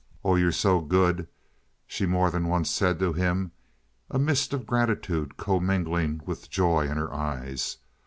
"Oh, you're so good," she more than once said to him a mist of gratitude commingled with joy in her eyes.